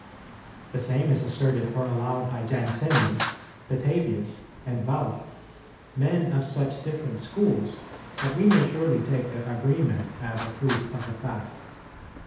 "[22:2] The same is asserted or allowed by Jansenius, Petavius, and Walch,[22:3] men of such different schools that we may surely take their agreement as a proof of the fact.